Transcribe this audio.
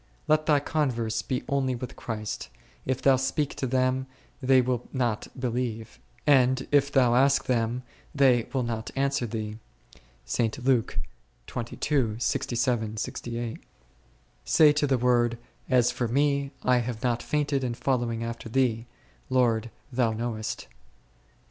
Let thy converse be only with Christ ; if thou speak to them, they will not believe, and if thou ask them, they will not answer thee h ; say to the Word, As for me, I have not fainted in following after Thee ; Lord, Thou knowest 1 .